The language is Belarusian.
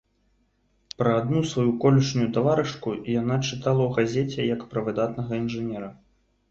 Пра адну сваю колішнюю таварышку яна чытала ў газеце як пра выдатнага інжынера.